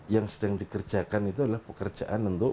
yang sedang dikerjakan itu adalah pekerjaan untuk